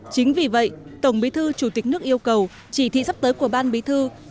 chính vì vậy tổng bí thư chủ tịch nước yêu cầu chỉ thị sắp tới của ban bí thư